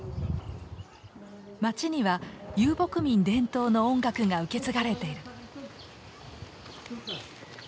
街には遊牧民伝統の音楽が受け継がれてる。